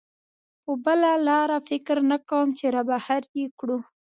په بله لاره فکر نه کوم چې را بهر یې کړو.